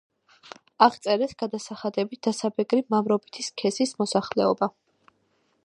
აღწერეს გადასახადებით დასაბეგრი მამრობითი სქესის მოსახლეობა.